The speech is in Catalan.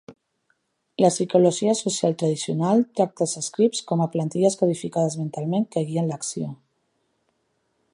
La psicologia social tradicional tracta els scripts com a plantilles codificades mentalment que guien l'acció.